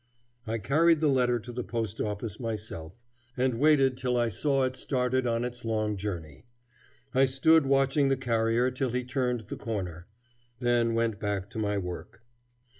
I carried the letter to the post office myself, and waited till I saw it started on its long journey. I stood watching the carrier till he turned the corner; then went back to my work.